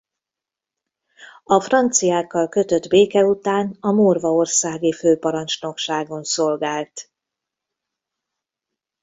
A franciákkal kötött béke után a morvaországi főparancsnokságon szolgált.